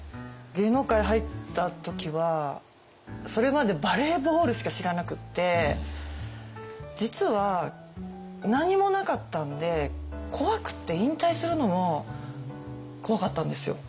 芸能界入った時はそれまでバレーボールしか知らなくって実は何もなかったんで怖くって引退するのも怖かったんですよ。